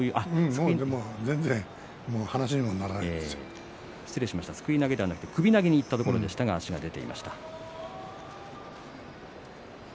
すくい投げではなく首投げにいったところでしたが足が出ていました。